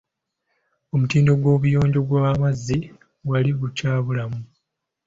Omutindo gw'obuyonjo bw'amazzi wali gukyabulamu.